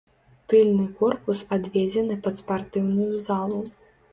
Тыльны корпус адведзены пад спартыўную залу.